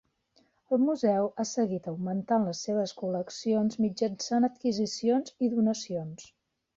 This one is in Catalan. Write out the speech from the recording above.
El museu ha seguit augmentant les seves col·leccions mitjançant adquisicions i donacions.